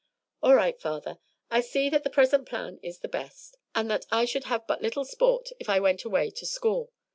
"All right, father. I see that the present plan is the best, and that I should have but little sport if I went away to school.